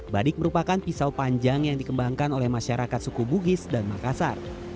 badik merupakan pisau panjang yang dikembangkan oleh masyarakat suku bugis dan makassar